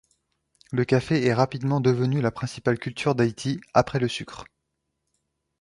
Le café est rapidement devenu la principale culture d'Haïti après le sucre.